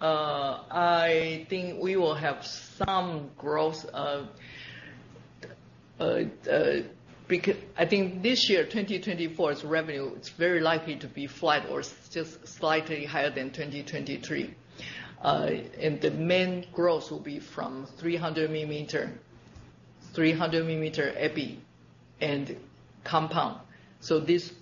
I think we will have some growth of, I think this year, 2024's revenue, it's very likely to be flat or just slightly higher than 2023. And the main growth will be from 300mm epi and compound. So these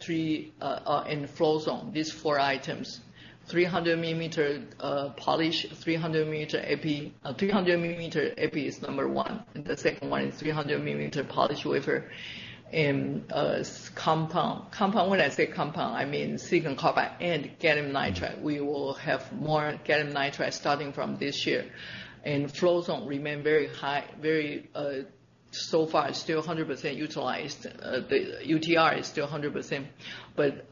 three are in Float Zone, these four items. 300mm polish, 300mm epi. 300mm epi is number one, and the second one is 300mm polish wafer, and compound. Compound, when I say compound, I mean Silicon Carbide and Gallium Nitride. We will have more Gallium Nitride starting from this year. And Float Zone remain very high, very, so far, it's still 100% utilized. The UTR is still 100%, but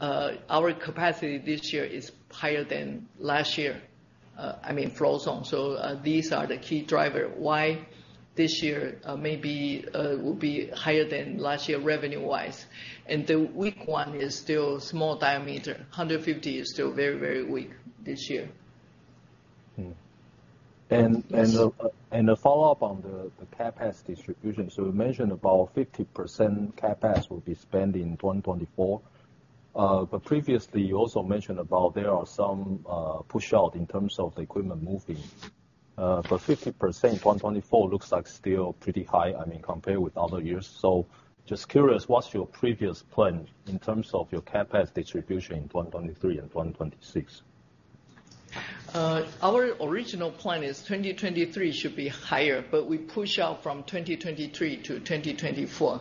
our capacity this year is higher than last year, I mean, Float Zone. So, these are the key driver why this year, maybe, will be higher than last year, revenue-wise. And the weak one is still small diameter. 150 is still very, very weak this year. And a follow-up on the CapEx distribution. So you mentioned about 50% CapEx will be spent in 2024. But previously, you also mentioned about there are some push out in terms of the equipment moving. But 50%, 2024, looks like still pretty high, I mean, compared with other years. So just curious, what's your previous plan in terms of your CapEx distribution in 2023 and 2026? Our original plan is 2023 should be higher, but we push out from 2023 to 2024.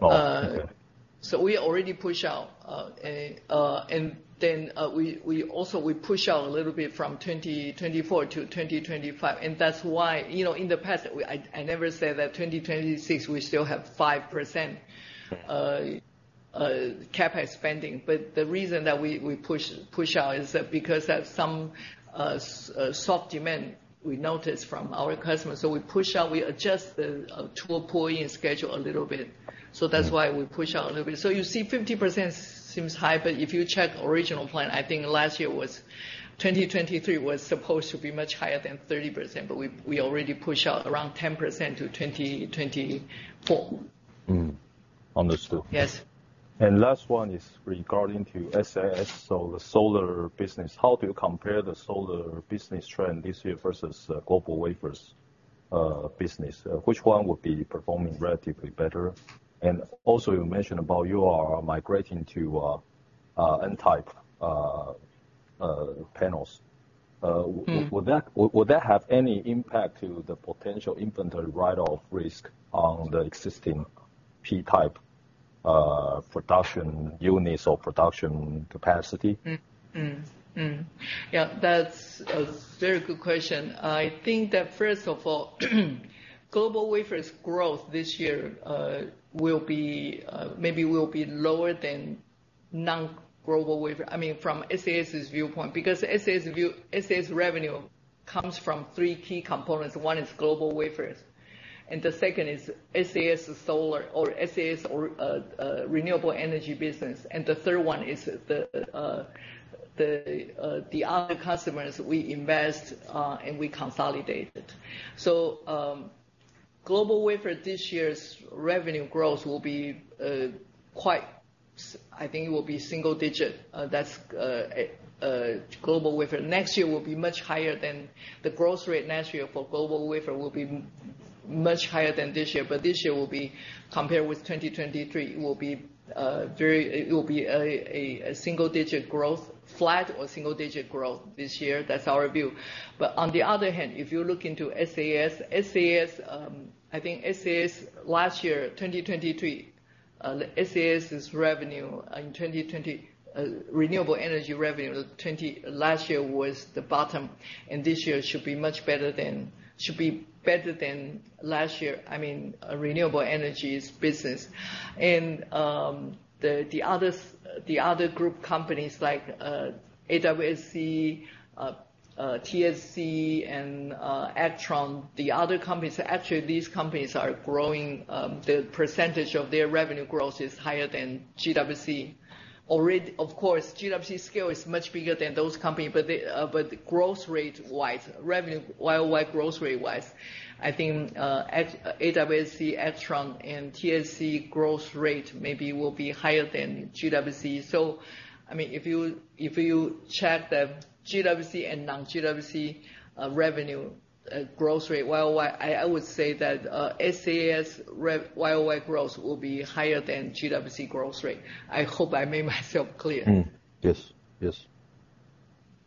Oh, okay. So we already push out, and then we also push out a little bit from 2024 to 2025, and that's why... You know, in the past, I never say that 2026, we still have 5%- Yeah... CapEx spending. But the reason that we push out is that because that some soft demand we noticed from our customers. So we push out, we adjust the tool pulling schedule a little bit. So that's why we push out a little bit. So you see 50% seems high, but if you check original plan, I think last year was 2023 was supposed to be much higher than 30%, but we, we already push out around 10% to 2024. Understood. Yes. And last one is regarding to SAS, so the solar business. How do you compare the solar business trend this year versus GlobalWafers business? Which one would be performing relatively better? And also, you mentioned about you are migrating to N-type panels. Would that have any impact to the potential inventory write-off risk on the existing P-type production units or production capacity? Yeah, that's a very good question. I think that first of all, GlobalWafers growth this year will be maybe lower than non-GlobalWafers. I mean, from SAS's viewpoint, because SAS revenue comes from three key components. One is GlobalWafers, and the second is SAS solar or SAS or renewable energy business, and the third one is the other customers we invest and we consolidated. So, GlobalWafers this year's revenue growth will be. I think it will be single digit, that's GlobalWafers. Next year will be much higher than... The growth rate next year for global wafer will be much higher than this year, but this year will be, compared with 2023, will be very, it will be a single digit growth, flat or single digit growth this year. That's our view. But on the other hand, if you look into SAS, SAS, I think SAS last year, 2023, SAS's revenue in 2020, renewable energy revenue, 2023 last year, was the bottom, and this year should be much better than should be better than last year, I mean, renewable energies business. And, the other group companies like AWSC, TSC and Actron, the other companies, actually, these companies are growing, the percentage of their revenue growth is higher than GWC. Already, of course, GWC scale is much bigger than those company, but they, but growth rate-wise, revenue Y-o-Y growth rate-wise, I think, at AWSC, Actron, and TSC growth rate maybe will be higher than GWC. So, I mean, if you, if you check the GWC and non-GWC, revenue, growth rate, Y-o-Y, I would say that, SAS rev Y-o-Y growth will be higher than GWC growth rate. I hope I made myself clear. Yes. Yes.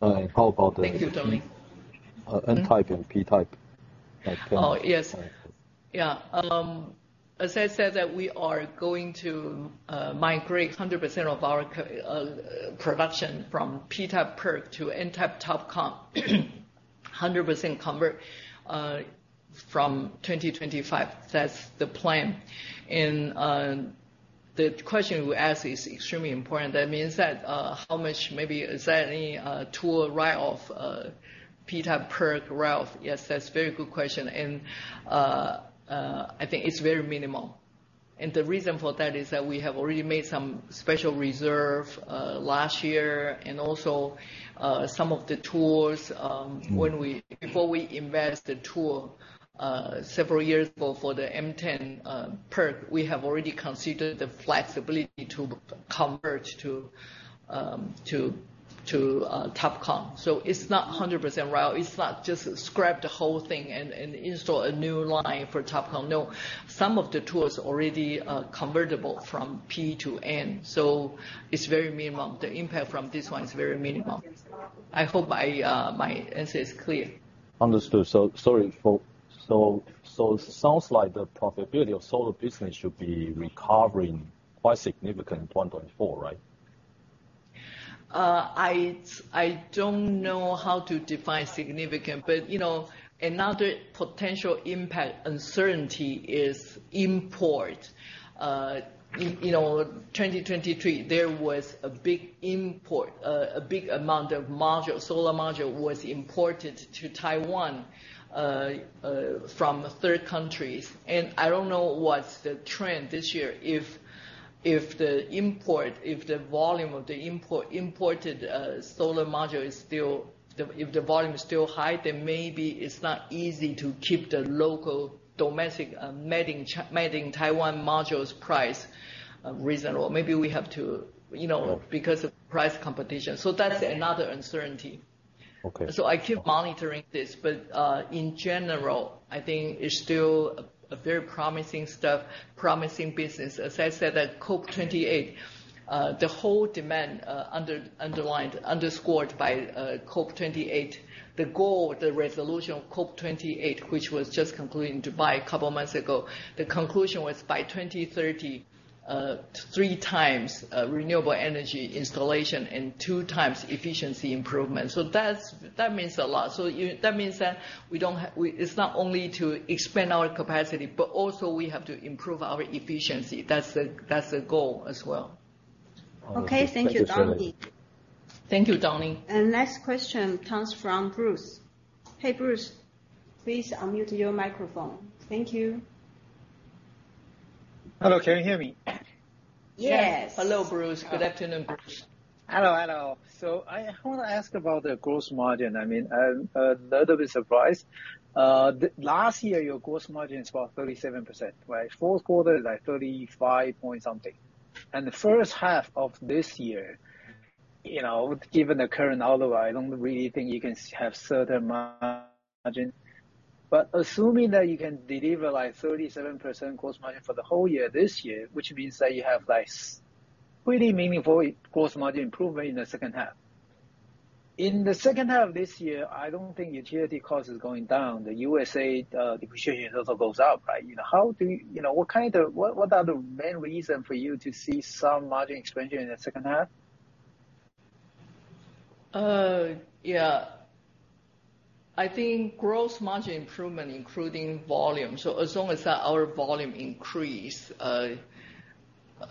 How about the- Thank you, Donnie. N-type and P-type? Oh, yes. Yeah, as I said, that we are going to migrate 100% of our production from P-type PERC to N-type TOPCon. Hundred percent convert from 2025. That's the plan. And the question you asked is extremely important. That means that how much maybe, is there any tool write-off P-type PERC write-off? Yes, that's a very good question, and I think it's very minimal. And the reason for that is that we have already made some special reserve last year, and also some of the tools. when we, before we invest the tool, several years ago for the M10, PERC, we have already considered the flexibility to convert to TOPCon. So it's not 100% right. It's not just scrap the whole thing and install a new line for TOPCon. No. Some of the tools already are convertible from P to N, so it's very minimal. The impact from this one is very minimal. I hope my answer is clear. Understood. So sorry for so, so it sounds like the profitability of solar business should be recovering quite significant in Q4, right? I don't know how to define significant, but you know, another potential impact, uncertainty is import. You know, 2023, there was a big import, a big amount of module, solar module was imported to Taiwan, from third countries, and I don't know what's the trend this year. If the import, if the volume of the import, imported solar module is still... If the volume is still high, then maybe it's not easy to keep the local domestic, made in Taiwan modules price, reasonable. Maybe we have to, you know, because of price competition. So that's another uncertainty. Okay. So I keep monitoring this, but, in general, I think it's still a very promising stuff, promising business. As I said, at COP 28, the whole demand, underlined, underscored by COP 28, the goal, the resolution of COP 28, which was just concluded in Dubai a couple months ago, the conclusion was by 2030, 3 times renewable energy installation and 2 times efficiency improvement. So that's, that means a lot. That means that it's not only to expand our capacity, but also we have to improve our efficiency. That's the goal as well. Okay, thank you, Donnie. Thank you, Donnie. Next question comes from Bruce. Hey, Bruce, please unmute your microphone. Thank you. Hello, can you hear me? Yes. Hello, Bruce. Good afternoon, Bruce. Hello, hello. So I wanna ask about the gross margin. I mean, I'm a little bit surprised. Last year, your gross margin was about 37%, right? Fourth quarter, like 35 point something. And the first half of this year, you know, given the current outlook, I don't really think you can have certain margin. But assuming that you can deliver, like, 37% gross margin for the whole year this year, which means that you have, like, really meaningful gross margin improvement in the second half. In the second half of this year, I don't think utility cost is going down. The USA depreciation also goes up, right? You know, how do you... You know, what kind of the—what, what are the main reason for you to see some margin expansion in the second half? Yeah. I think gross margin improvement, including volume. So as long as our volume increase, we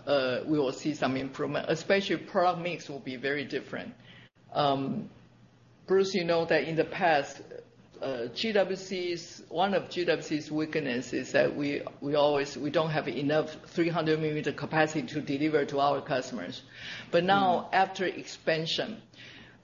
will see some improvement, especially product mix will be very different. Bruce, you know that in the past, GWC's, one of GWC's weaknesses is that we, we always- we don't have enough 300-millimeter capacity to deliver to our customers. But now, after expansion,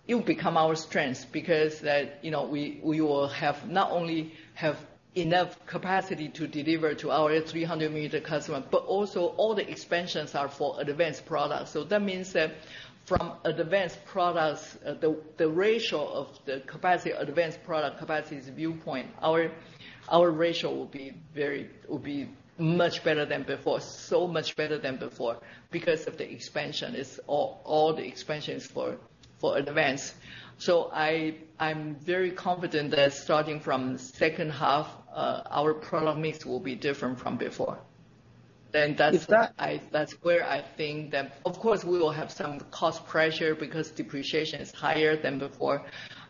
it will become our strength because that, you know, we, we will have not only have enough capacity to deliver to our 300-millimeter customer, but also all the expansions are for advanced products. So that means that from advanced products, the, the ratio of the capacity, advanced product capacities viewpoint, our, our ratio will be very- will be much better than before, so much better than before, because of the expansion, is all, all the expansion is for, for advanced. So, I'm very confident that starting from second half, our product mix will be different from before. Then that's- Is that-... that's where I think that, of course, we will have some cost pressure because depreciation is higher than before,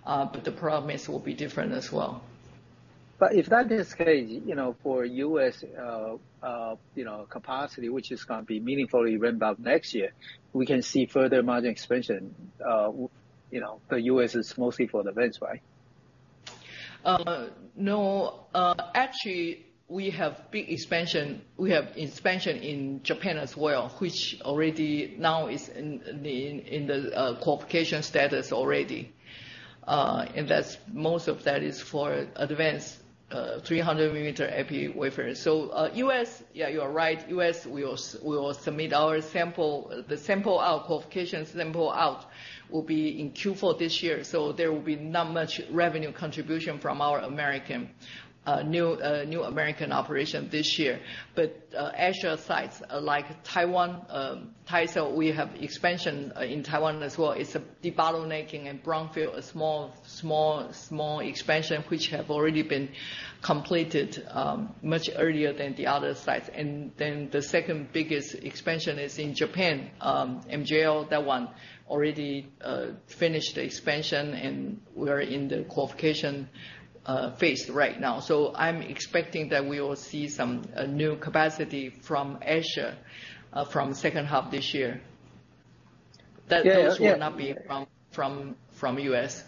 but the product mix will be different as well. But if that is the case, you know, for U.S. capacity, which is gonna be meaningfully ramped up next year, we can see further margin expansion. You know, the U.S. is mostly for advanced, right? No. Actually, we have big expansion. We have expansion in Japan as well, which already now is in the qualification status already. And that's, most of that is for advanced 300 millimeter epi wafer. So, US, yeah, you are right. US, we will submit our sample. The sample out, qualification sample out will be in Q4 this year, so there will be not much revenue contribution from our new American operation this year. But, Asia sites, like Taiwan, Taisil, we have expansion in Taiwan as well. It's a debottlenecking in brownfield, a small expansion, which have already been completed much earlier than the other sites. And then the second biggest expansion is in Japan, MJO, that one, already, finished the expansion, and we are in the qualification phase right now. So I'm expecting that we will see some new capacity from Asia, from second half this year. Yeah, yeah. That those will not be from U.S.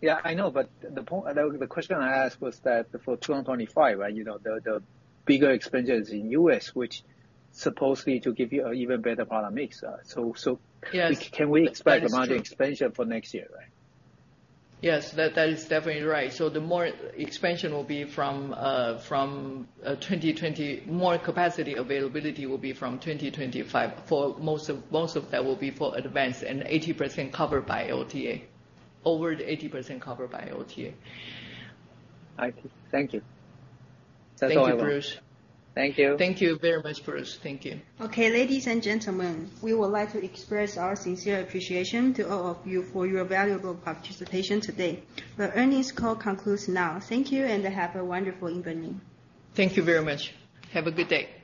Yeah, I know, but the point... The question I asked was that for 2025, right, you know, the bigger expansion is in U.S., which supposedly to give you an even better product mix. So, Yes. Can we expect- That is true.... a margin expansion for next year, right? Yes, that, that is definitely right. So the more expansion will be from 2025. More capacity availability will be from 2025, for most of, most of that will be for advanced and 80% covered by LTA, over the 80% covered by LTA. I see. Thank you. That's all I want. Thank you, Bruce. Thank you. Thank you very much, Bruce. Thank you. Okay, ladies and gentlemen, we would like to express our sincere appreciation to all of you for your valuable participation today. The earnings call concludes now. Thank you, and have a wonderful evening. Thank you very much. Have a good day.